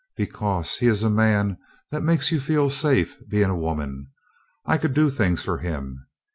"Because he is a man that makes you feel safe being a woman. I could do things for him.